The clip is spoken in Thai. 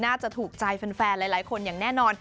น่าจะถูกใจแฟนหลายคนอย่างแน่นอน